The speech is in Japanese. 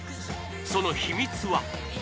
その秘密は？